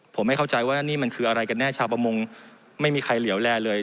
ผมไม่เข้าใจว่านี่มันคืออะไรกันแน่ชาวประมงไม่มีใครเหลี่ยวแลเลย